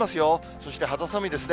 そして肌寒いですね。